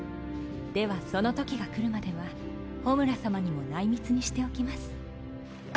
ではその時がくるまではホムラ様にも内密にしておきます。